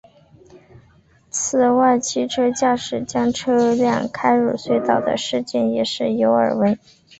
此外汽车驾驶将车辆开入隧道的事件也时有耳闻。